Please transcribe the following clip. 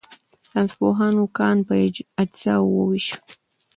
ساینسپوهانو کان په اجزاوو وویشو.